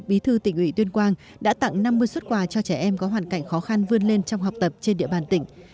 bí thư tỉnh ủy tuyên quang đã tặng năm mươi xuất quà cho trẻ em có hoàn cảnh khó khăn vươn lên trong học tập trên địa bàn tỉnh